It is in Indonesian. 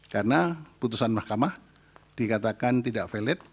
karena putusan mahkamah dikatakan tidak valid